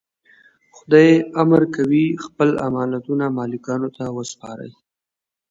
خدای امر کوي خپل امانتونه مالکانو ته وسپارئ.